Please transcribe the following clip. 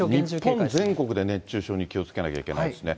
日本全国で熱中症に気をつけないといけないですね。